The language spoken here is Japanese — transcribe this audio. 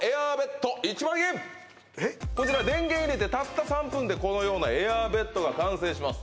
こちら電源入れてたった３分でこのようなエアーベッドが完成します